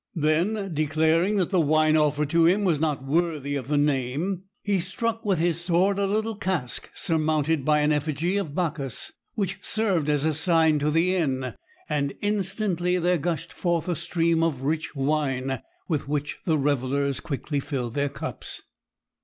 Then, declaring that the wine offered to him was not worthy of the name, he struck with his sword a little cask surmounted by an effigy of Bacchus, which served as a sign to the inn, and instantly there gushed forth a stream of rich wine, with which the revellers quickly filled their cups.